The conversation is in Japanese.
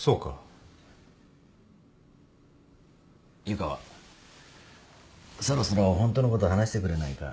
湯川そろそろ本当のこと話してくれないか？